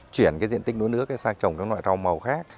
chuyển diện tích núa nước sang trồng các loại rau màu khác